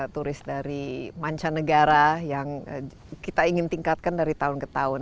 turis dari mancanegara yang kita ingin tingkatkan dari tahun ke tahun